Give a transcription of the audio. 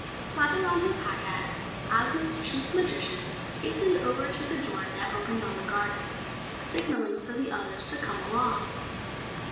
Clapping on his high hat, Ozma's Chief Magician hastened over to the door that opened on the garden, signalling for the others to come along.